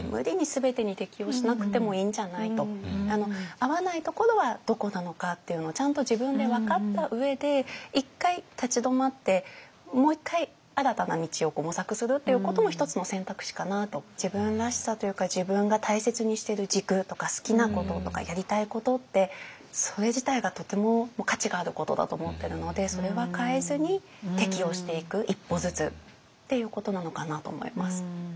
合わないところはどこなのかっていうのをちゃんと自分で分かった上で一回自分らしさというか自分が大切にしてる軸とか好きなこととかやりたいことってそれ自体がとても価値があることだと思ってるのでそれは変えずに適応していく一歩ずつっていうことなのかなと思います。